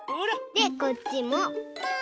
でこっちもポン！